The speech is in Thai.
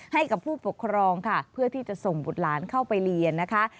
ให้กับผู้ปกครองค่ะเพื่อที่จะส่งบุตรหลานเข้าไปเรียนนะคะ